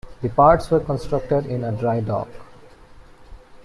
The parts were constructed in a dry dock.